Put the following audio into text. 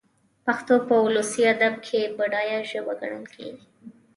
پښتو په اولسي ادب کښي بډايه ژبه ګڼل سوې.